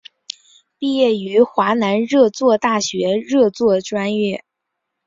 毕业于华南热作大学热作专业。